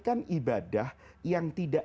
kan ibadah yang tidak